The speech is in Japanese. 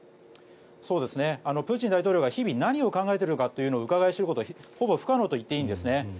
プーチン大統領が日々、何を考えているかをうかがい知ることはほぼ不可能といっていいんですね。